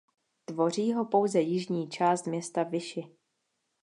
Tvoří ho pouze jižní část města Vichy.